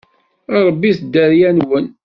Rebbit dderya-nwen!